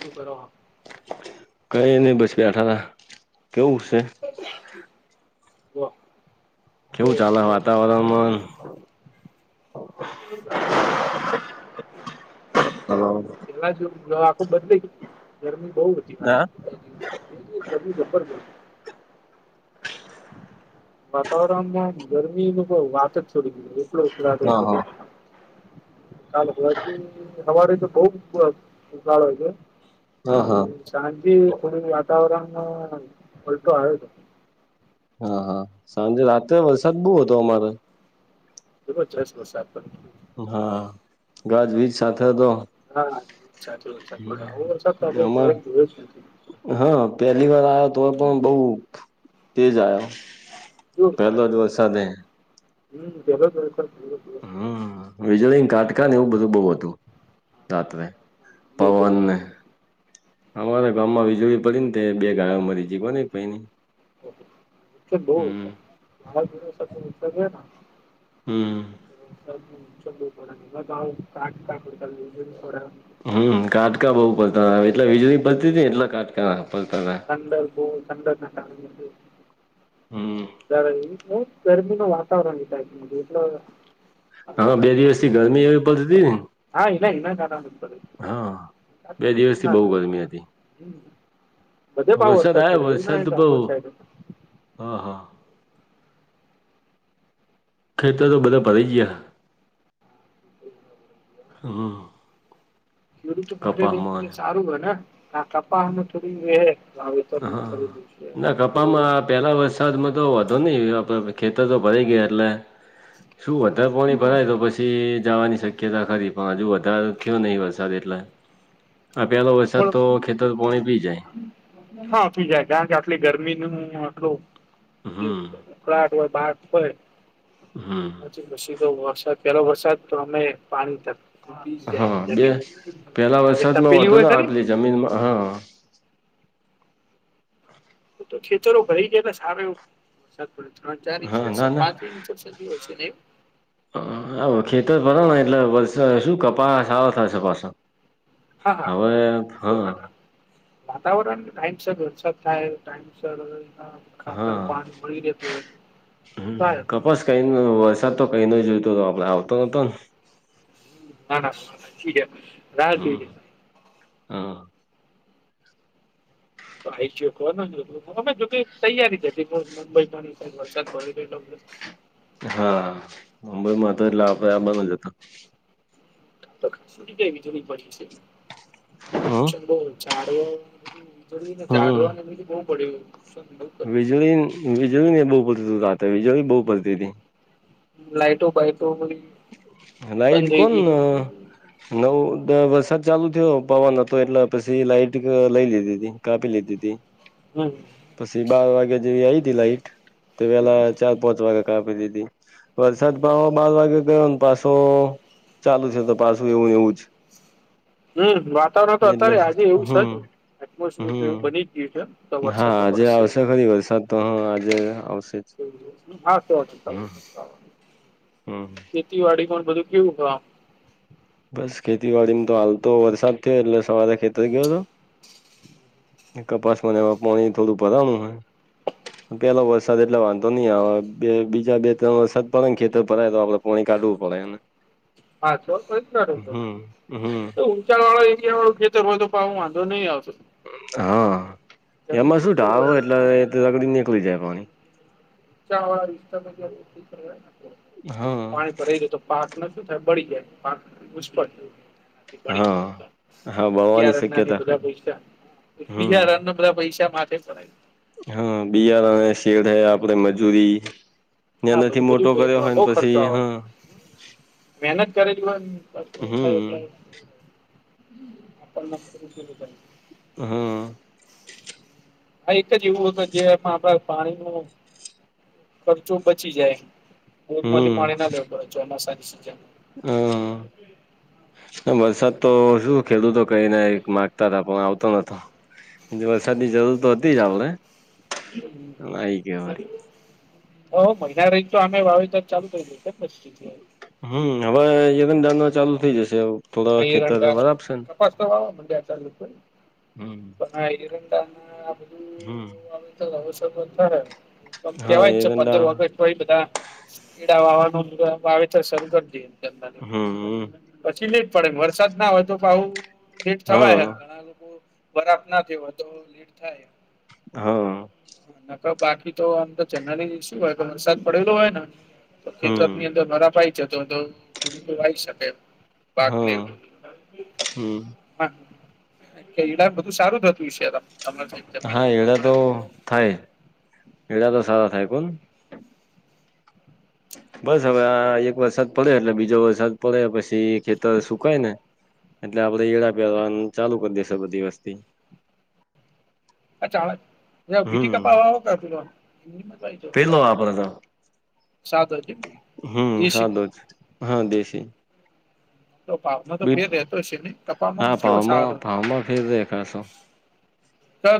સુ કરો હો? કઈ નહી બસ બે અઠ કેવું છે. [unintelligible] કેવું કેવો ચાલે વરસાદ પડે આખો વાતાવરણમા હલો [unintelligible] ખબ બદલા ગરમી બહુ હતી ના હા બે દિવસ બે દિવસ ગરમી જબરજસ્ત વાતાવરણમાં ગરમી ન બ વાત જ થોડી ગ એટલો ઉળટ હા હતો. હા ચાલ બાકી સવારે તો બઉ ઉાળો હો છે. હા હા [inaudible] વાતાવરણ પલટો આવે છે. હા હા સાંજે રાત્રે વરસાદ બહ હતો અમારે જબરજસ્ત વરસાદ હા ગાજ વીજ સાથે હતો હા [unintelligible] આમાં હા પેલી વાર આવયો તો પણ બઉ તેજ આવ્યો જોરદાર પહેલો જ વરસાદે છે [unintelligible] હમ્મ વીજળી કાટકા ને એવું બધું બહુ હતું રાત્રે પવનને અમારા ગામમાં વીજળી પડી ને તે બે ગાયો મરી તી કોને એક ભાઈની હમ [unintelligible] હમ [unintelligible] હમ્મ કાટકા બહુ પડતા એટલા વીજળી પડતી હતી ને એટલા કાટકા પડતા હતા [unintelligible] ગરમી હમ નું વાતાવરણ [unintelligible] એટલે આપણે હા બે કાંઈક દિવસ થી થતું હતું ગરમી એવી પડતી હતી ને હા એટલે [unintelligible] હા બે દિવસથી બહુ થાય ગરમી હતી બધે પાવ વરસાદ આયો પડે એવું ના વરસાદ હોય કે બહુ આખો સાઈડ જ હ હા ખેતરો બધા ભરાય ગયા હમ્મ ખેડૂતી માટે સારું હોય ને આ કપામાં થોડી વ આવે [unintelligible] પેલા વરસાદમાં તો વધો નહ ખેતર તો ભરા ગયા એટલે શું વધારે પાણી ભરાય તો પછી પછી જવાની શક્યતા ખરી પણ હજુ વધારે થયો નહી વરસાદ એટલે આ પેલો વરસાદ તો ખેતર પોણી પી જાય હાંફી જાયે કારણ કે આટલી ગરમીનું આટલું હમ કળટ હોય ભાટ હોય હમ્મ પછી પછી તો વરસાદ પેલો વરસાદ તો અમે પાણી થ જાય હા જમીન બે પેલા કાર વરસાદમાં તપેલી વધો હોય ના ખરી આપેલી જમીનમાં હા તો ખેતરો ભરી ગયા સારું એવું ત્રણ ચાર હા ના ઇં પાંચ ઇંચ સુધી હોય છે ને એ હ ખેતર ભરા ને એટલે વરસા હુ કપાસ હારો થશે પાછો હા હા હવે હા છોટા વાતાવરણ ટાઈમ સર વરસાદ થાય ટાઈમ સર હા ખાતર પાણી મળી રેતુ હમ હોયે કપાસ કઈ ન વરસાદ તો કઈ ન જોયતો તો આપડે આવતો નતો ને ના ના ઠીક રા હમ જોય હા તો આ આવી જ કો હમે જો કે તૈયારી હતી મુંબઈ પણ વરસાદ પડ હ હા મુંબઈમાં તો એટલે આપડ આ બંધ જ હતા સુ કઈી જોવી પડી હમ છે ચ હમ જાડવા [unintelligible] વીજળી વીજળી ને બહુ પડતી રાતે વીજળી બહુ પડતી હતી. લાઈટો બાઈટો લાઈટ બંધ થઈ કોણ ગઈ છે. નવ દ વરસાદ ચાલુ થયો પવન હતો એટલે પછી લાઈટ લઈ લીધી હતી કાપી લીધી હતી. હમ પછી બાર વાગ્યા જેવી આઈતી લાઈટ તો પેલા ચાર પાંચ વાગે કાપી દીધી વરસાદ પણ બાર વાગે ગયો પાછો ચાલુ છે તો પાછું એવું ને એવું જ હમ વાતાવરણ તો એટલે અત્યારે આજે એવું હમ છે [unintelligible] તો એવું હમ બની ગયું છે. તો વરસાદ હા તો આજે વરસશે જ આવશે એમ. ખરી વરસાદ તો હ આજે આવશે જ હા શેઠ હમ હમ ખેતીવાડી પણ બધું કેવું છે આમ બસ ખેતીવાડીમાં તો હાલ તો વરસાદ થયો એટલે સવારે ખેતરે ગયેલો કપાસમાં એ પાણી થોડું ભરાણું હે પેલો વરસાદ એટલે વાંધો નહી આવે બે બીજા બે ત્રણ વરસાદ પડે ને ખેતર ભરાય જાય તો પાણી કાઢવું પડેને હા [unintelligible] હમ [unintelligible] ખેતર હોય તો પણ વાંધો નહી આવતો હા એમાં જમીનમાં શું કેવું ઢાર હોય એટલે ઊંચા ત્યાંથી નીકળી જાય પાણી [unintelligible] હા પાણી ભરાઈ [unintelligible] પાકને શું થાય બળી જાય પાક [unintelligible] બડી હા ગયા હા બળવાની બિયારણ ના શક્યતા બધા ખરી પૈસા હમ બિયારણ ના યાર પૈસા માટે જ છે ને હા બિયાર અને શેઠ હે આપડે મજૂરી હા નાનેથી બધું મોટો કર્યો બધું હોય ને બહુ ખર્ચો પછી હ આવે મહેનત કરેલી હોય પાછું થાય હમ એટલે આપણ મસ્ત [unintelligible] હમ હ એક જ એવું હતું જે આપણા પાણી ન ખર્ચો બચી જાય ડેમમાંથી હમ પાણી ના લેવું પડે ચોમાસાની સીઝન હમ વરસાદ તો શું ખેડૂતો કઈ [unintelligible] પણ એ આવતો નતો વરસાદની જરૂર તો હતી જ આપડે આવી ગયો [unintelligible] હ મહિના રહી તો આમાંય વાવેતર ચાલુ કરીદે એ કેમ હમ હવે [unintelligible] ચાલુ થઈ જશે. થોડા ખેતર વરાપશે ને [unintelligible] હા હમ એરંડા ન હમ સારુ કેવાય વરસાદ પણ પડે પણ કહે હા છે કે પંદર એરંડા ઓગસ્ટ તો બધા પીડાવાવાનું વાવેતર શરૂ કરી દીયો હમ [unintelligible] પછી લેટ પડે વરસાદ ના હોય તો આવું લેટ થવા હા ઘણા લોકો ગરમના થયો હોય તો લીક થાય. હ નકર બાકી તો આમ તો જનરલી શું હોય તો વરસાદ પડેલો હોય ને તો ખેતરત હમ ની અંદર [unintelligible] તો ખેડૂતો વાઈ શકે પાકને હા હમ હા એઈડા ન બધુ સારુ [unintelligible] હા એડાતો થાય એડાતો સારા થાય કેમ બસ હવે આ એક વરસાદ પડ્યો એટલે બીજો વરસાદ પડ્યો પછી ખેતર સુકાય ને એટલે આપડે એઈડા પાવાનું ચાલુ કરી દેશે બધી વસ્તી એ ચાલો તમે બીટી હમ કપા વાવો કે [unintelligible] કેટલો વાપરતા હમ દેશી સાદો જ હા દેશી [unintelligible] તો પાાવમાં તો બીટ ફેર રતો છે ને કપામાં હા કેવો ભાવમાં સારો ભાવમાં ફેર દેખાશો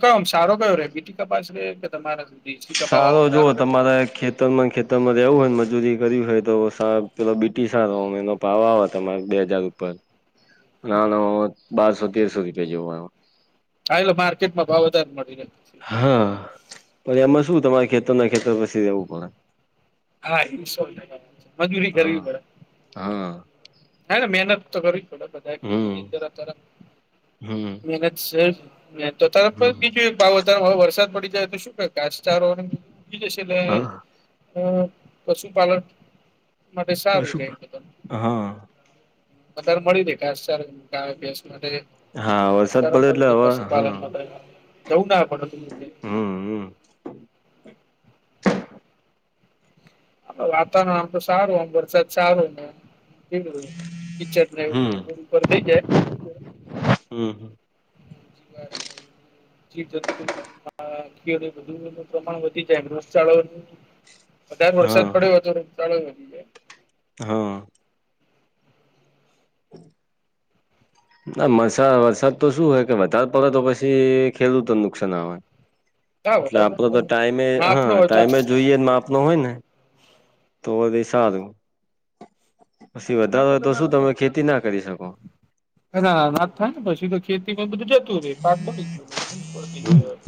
કયોમ સારો કયો રે બીટી કા પા ર કે તમારા દેશી કપાસ સારો વાળો જુઓ રે તમારે ખેતી વર્તનન ખેતરમાં રહેવું હોય ને મજૂરી કર્યું હોય તો પેલો બીટી સારમ એનો પાવ આવે તમારે બે હજાર રૂપ નાનો બારસો તેરસો રૂપિયા જેવો આવ હાલે માર્કેટમાં ભાવ વધારે મળી જ હા પણ એમાં શું તમારે ખેતરના ખેતર પછી રહેેવું પડે હાઇનસન મેહનત મજૂરી કરવી હા પડે હા. હ મહેનત તો કરવી પડે બધા હમ ખેતીની અંદર અત્યારે હમ મહેનત છે. તો તારે બીજું એક ભાવારેવે વરસાદ પડી જાય તો શું ક ઘાાસચારો જશે હા પશુપાલન મધ શાર ર પશુ ગ હા. બારે મળી રે કાસારસ માટે હા વરસાદ હારો પ પડે એટલે હવે પશુપાલન હા માટે જવું ના પ હમ હ. વાતાવરણ આમ તો સારું આમ વરસાદ સારું કે કિચનર હમ થઈ જાય હમ. જતું બું પ્રમાણ વધી જાય રસચળ [inaudible] હજાર હા વરસાદ પડ્યો તો રૂપિયા લઈએ હા. નારસા વરસાદ તો શું હોય કે વધારે પડે તો પછી ખેડૂતોને નુકસાન આવેય હા એટલે વધારે આપડો પડતો તો નુકસાન ટાઈમે નાપનો હા હતો ટાઈમે જોઈએ માપનો હોય ને તો પછિ સારું પછી ના વધારે હોય તો શું તમે ખેતી ના કરી શકો હ ના ના થાય ને પછીધ ખેતી માં બધું જતું હોય પાર મળ ગયું હો નિષ્ફળ થઈ ગયો હોય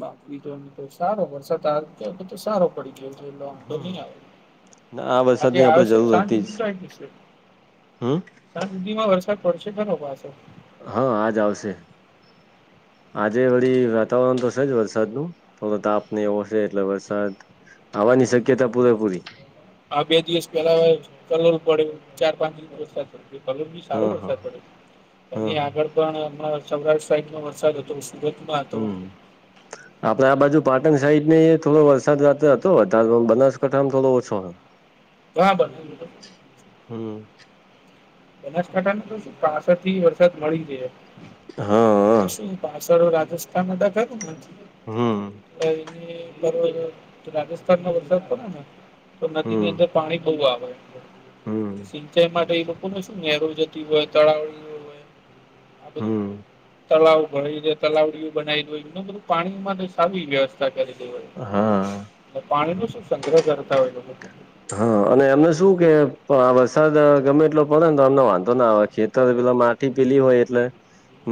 બાકી તો તો સારો વરસાદ આ તો સારો પડી ગયો છે એ આમ તો નહી આવે ના આ આજે વરસાદની આપણેે આવશે જરૂર સાંજ હતી જ સુધી ટાઈમ જશે હમ સાંજ સુધી માં વરસાદ પડશે ખરો પાછો હા આજ આવશે આજે વળી વાતાવરણ તો છે જ વરસાદનું થોડો તાપ નહી ઓશે એટલે વરસાદ આવવાની શક્યતા પૂરેપૂરી હ બે દિવસ પેલા કરલું પડે ચાર પાંચ દ વરસા કલ બી સારો હા હા વરસાદ પડે અ હા આગળ પણ હ સૌરાષ્ટ્ર સાઈડમાં વરસાદ હતો સુરતમાં હતો હમ આપડે આ બાજુ પાટણ સાઈડ ને થો વરસાદતો હતોરે બનાસકાંઠામાં થોડો ઓછો હતો [inaudible] [unintelligible] હમ. બનાસકાંઠા તો શું પાસઠથી વરસાદ મળી જ હા. કે હા શું પાછળ રાજસ્થાન માટે ખર હમ નથી બરોબ રાજસ્થાનમાં વરસાદ પડે ને તો નદીની હમ અંદર પાણી બહુ આવે હમ સિંચાઈ માટે એ શું નહેર જતી હોય તળાવળ હોય આ બધું હમ હો તલાવ ભ તલાવડીઓ બનાવી દને બધું પાણીમાં તો સ વ્યસ્ હા હોય પાણી ન શું સંગ્રહ કરતા હોય હા અને એમને શું કે આ વરસાદ ગમે એટલો પડે ને તો અમને વાંધો ના ખેતર પેલી હોય એટલે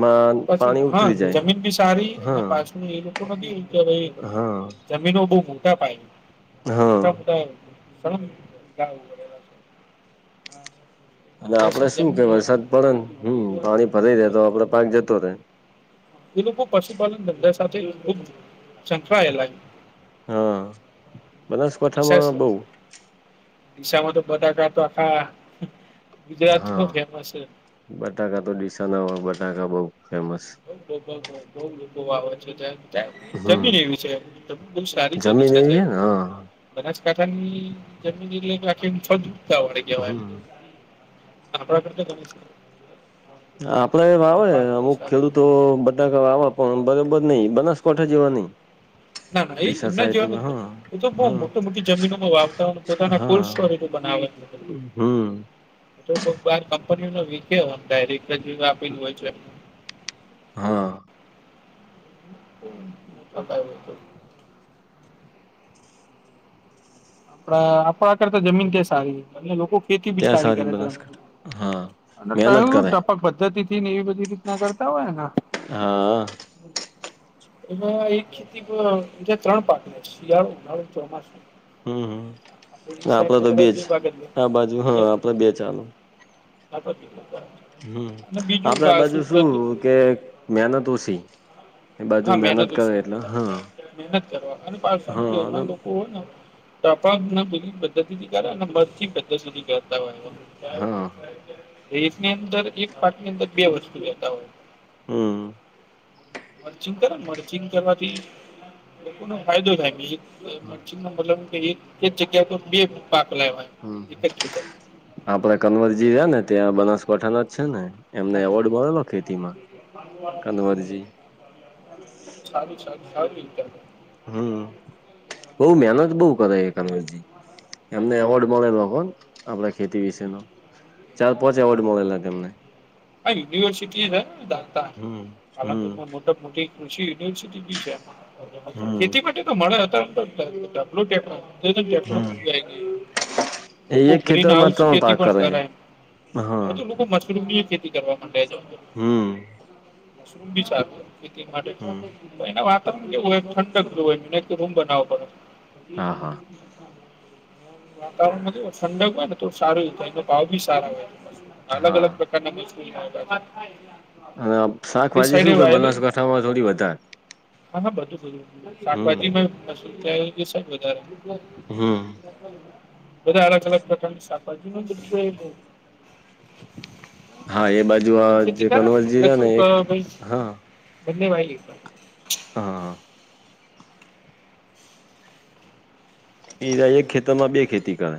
માં પછી પાણી હ ઉતરી જાય જમીન બી સારી એના હા પાછું એ રતું નથી કે હા જમીનો બહુ મોટા પાય હા મોટા મોટા સંગ્રહ અને વગેરે છે આપડે શું ત્યાં કે જમીન વરસાદ પડે ને હમ પાણી ફરાઈ રે તો આપડે પાક જતો રહેે એ લોકો પશુપાલન ધંધા સાથે ખુબ સંકળાયેલા હા બનાસકાંઠામાં બહુ દિશામાં તો બટાકા તો આખા હા ગુજરાતમાં ફેમસ છે, બટાકા તો દિસા ના હોય બટાકા બઉ ફેમસ લોકો બહુ લોકો વાવેત છે, ત્યાં હમ જમીન એવી છે, જમીન બહુ સારી છે, જમીન દિશા એવી થઈ. હે ને હા બનાસકાંઠા ની જમીન એલે કે આખી છોતા વડે કેવાય. હમ આપણા કરતો ગણી છે. આપડે એ આવે અમુક ખેડૂતો લાગે બધા આવા પણ બરોબર નઈ બનાસકાંઠા જેવા નહી. ના, ના ડીસા એઈના જીવન સાઈડમાં હા એ તો બઉ હા મોટી મોટી જમીનોમાં વાવતા હોય પોતાના ફૂલ સોરી બનાવે. હું. એ તો બાર કંપનીઓ વીકે ડાયરેક્ટર રીજ આપેલું હોય છે. હા, હ થકાય હો તો આપ આપણા કરતા જમીન તે સારી અને લોકો ખેતી બી ત્યાં સારી કરે છે, બનાસકાંઠા હા અને કય મહેનત કરે ટપક પદ્ધતિ ને એવી બધી રીતના કરતા હોય. હા હું. એમાં એક ખેતી ત્રણ પાક શિયાળું, ઉનાળું ચોમાસું, આપણે એ હમ સાઈડ આપડે તો બે બધા જ ભાગ આ બાજુ હા આપડે બે ચાલુ, હું [inaudible] હું આપડા બાજુ શું કે મહેનત ઓછી એ બાજુ હા મહેનત કરે ઓછી એટલે હા મહેનત કરવા અને પાસા ગ હા એમાં લોકો હોય ને તો પાકને બઘુ પદ્ધતિથી કરે ને બંધથી પધતિ સુધી કરતા હોય હા એ એકની અંદર એક પાક ની અંદર બે વસ્તુ લેતા હોય. હું. મર્ચિંગ કર મર્ચિંગ કરવાથી લોકો નો ફાયદો થાય. મચી ન મતલબ એક એક જગ્યા પર બે પાક લેવાય. હું એક જ ખેતર આપડા કનવરજી રહ્યા ને ત્યાં બનાસકાંઠાના જ છે, ને એમને એવોર્ડ મળેલો ખેતીમાં કનવરજી [unintelligible] [inaudible] સારું, સારું, સારું. હું બઉ મહેનત બહુ કરે છે. એમને એવોર્ડ મળેલો આપડા ખેતી વિશે નો ચાર પાંચ એવોર્ડ મળેલા તેમને આ યુનિવર્સિટી છે, દાતા હમ હમ પાલનપુરમાં મોટા મોટી કૃષિ યુનિવર્સિટી બી છે. હમ ખેતી માટે તો મળે હતાબલુંટે ચકગ હમ એ લોકો એક ગ્રીન ખેતરમાં હાઉસ ત્રણ ખેતી પાક પણ કરે છે કરાય. હા હજુ લોકો મશરૂમ ની ખેતી કરવા માટેમાં છે. હું. મશરૂમ બીચ ખેતી માટે હમ એને વાતાવરણ કેવું હોય ઠંડકનું હોય રૂમ બનાવો પડે, હા પણ. હા વાતાવરણ માં ઠંક હોય ને થડું સારું એ ભાવ ભી સારા હોય અલગ અલગ હા પ્ર. [inaudible] અને શાકભાજી શું કે બનાસકાંઠામાં થોડી વધારે. હા હા બધું બધું હમ શાકભાજી માંું વધારે. હમ. બધા અલગ અલગ પ્રકારની શાપાજી ન. હા એ બાજુ આ તી જે કર કન્વર્જી છે શું ને એક ભ હા બંને વા. હાા. બીજા એક ખેતર માં બે ખેતી કરે.